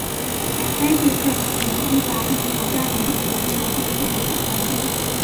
该届赛事由义大利国家男子篮球队获得总冠军。